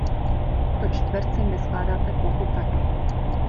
To čtvercem vyskládáte plochu taky.